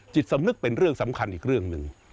จิตสำนึกเป็นเรื่องสำคัญอีกเรื่องหนึ่ง